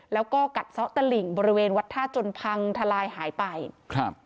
แล้วก็กัดซ่อตะหลิ่งบริเวณวัดท่าจนพังทลายหายไปครับ